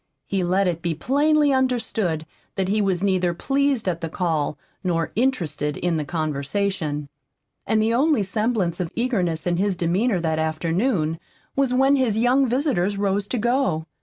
He let it be plainly understood that he was neither pleased at the call nor interested in the conversation. And the only semblance of eagerness in his demeanor that afternoon was when his young visitors rose to go.